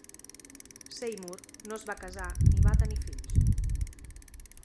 Seymour no es va casar ni va tenir fills.